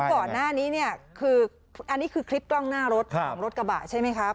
ก่อนหน้านี้เนี่ยคืออันนี้คือคลิปกล้องหน้ารถของรถกระบะใช่ไหมครับ